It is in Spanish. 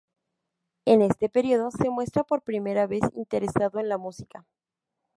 En este periodo se muestra por primera vez interesado en la música.